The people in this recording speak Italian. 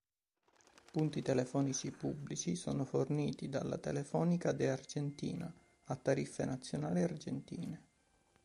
Punti telefonici pubblici sono forniti dalla Telefonica de Argentina, a tariffe nazionali argentine.